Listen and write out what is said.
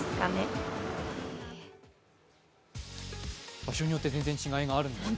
場所によって全然違いがあるんですね。